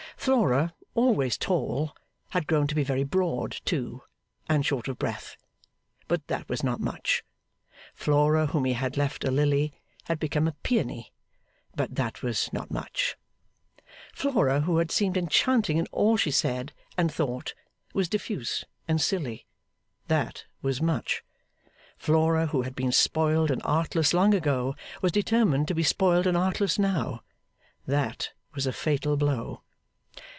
Flora, always tall, had grown to be very broad too, and short of breath; but that was not much. Flora, whom he had left a lily, had become a peony; but that was not much. Flora, who had seemed enchanting in all she said and thought, was diffuse and silly. That was much. Flora, who had been spoiled and artless long ago, was determined to be spoiled and artless now. That was a fatal blow.